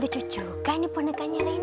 lucu juga ini pundaknya reina